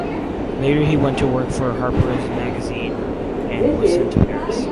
Later he went to work for "Harper's Magazine" and was sent to Paris.